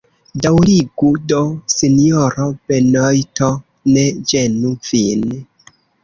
Daŭrigu do, sinjoro Benojto; ne ĝenu vin.